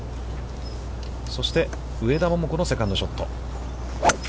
そして上田桃子のセカンドショット。